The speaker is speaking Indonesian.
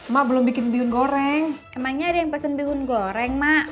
mak belum bikin bihun goreng emangnya ada yang pesen bihun goreng mak